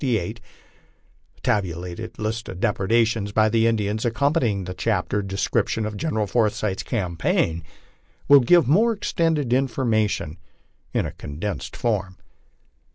The tabulated list of depredations by Indians, accompanying the chapter descrip tive of General Forsyth's campaign, will give more extended information in a condensed form.